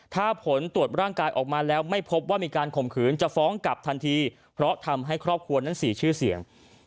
ถ้าผลตรวจร่างกายออกมาแล้วไม่พบว่ามีการข่มขืนจะฟ้องกลับทันทีเพราะทำให้ครอบครัวนั้นเสียชื่อเสียง